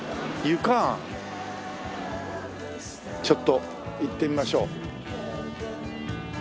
ちょっと行ってみましょう。